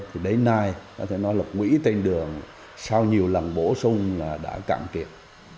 thì đến nay có thể nói là quỹ tên đường sau nhiều lần bổ sung là đã cạn kiệt